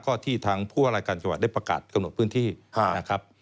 ก็ที่ทางผู้ว่ารายการจังหวัดได้ประกาศกำหนดพื้นที่นะครับ